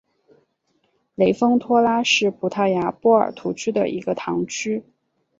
雷丰托拉是葡萄牙波尔图区的一个堂区。